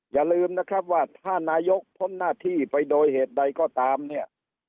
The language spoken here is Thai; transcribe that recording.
อย่าลืมนะครับว่าถ้านายกพ้นหน้าที่ไปโดยเหตุใดก็ตามเนี่ย